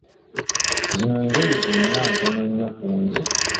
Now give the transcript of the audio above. Zino engoye zonna ntono nnyo kunze!